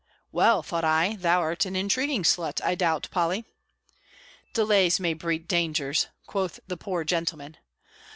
"Well," thought I, "thou'rt an intriguing slut, I doubt, Polly." "Delays may breed dangers," quoth the poor gentleman!